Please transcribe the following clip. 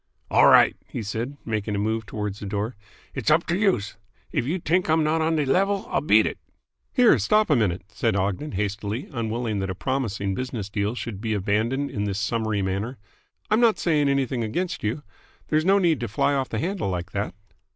"All right," he said, making a move towards the door. "It's up to youse. If you t'ink I'm not on de level, I'll beat it." "Here, stop a minute," said Ogden hastily, unwilling that a promising business deal should be abandoned in this summary manner. "I'm not saying anything against you. There's no need to fly off the handle like that."